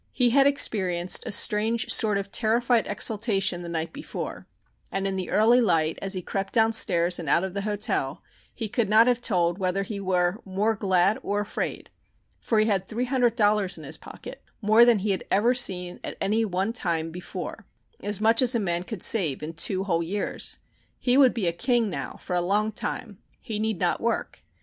He had experienced a strange sort of terrified exaltation the night before, and in the early light as he crept downstairs and out of the hotel he could not have told whether he were more glad or afraid. For he had three hundred dollars in his pocket, more than he had ever seen at any one time before as much as a man could save in two whole years. He would be a king now for a long time. He need not work.